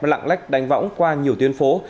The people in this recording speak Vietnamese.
lặng lách đánh võng qua nhiều tuyến phố